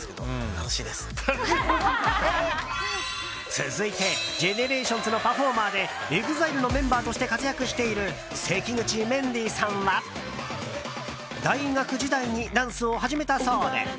続いてＧＥＮＥＲＡＴＩＯＮＳのパフォーマーでＥＸＩＬＥのメンバーとして活躍している関口メンディーさんは大学時代にダンスを始めたそうで。